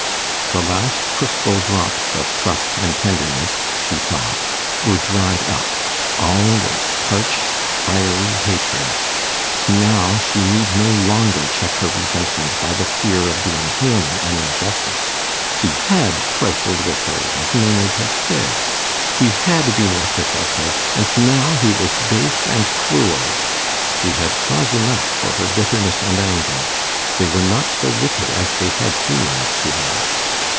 The last crystal drops of trust and tenderness, she thought, were dried up; all was parched, fiery hatred. Now she need no longer check her resentment by the fear of doing him an injustice: he had trifled with her, as Maynard had said; he had been reckless of her; and now he was base and cruel. She had cause enough for her bitterness and anger; they were not so wicked as they had seemed to her.